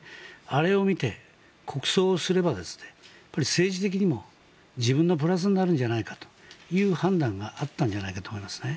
あれを見て国葬すれば政治的にも自分のプラスになるんじゃないかという判断があったんじゃないかと思いますね。